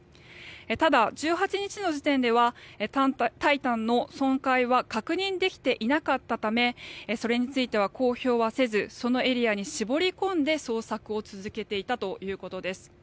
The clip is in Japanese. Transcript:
ただ、１８日の時点では「タイタン」の損壊は確認できていなかったためそれについては公表はせずそのエリアに絞り込んで捜索を続けていたということです。